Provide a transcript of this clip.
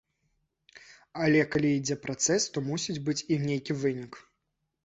Але калі ідзе працэс, то мусіць быць і нейкі вынік.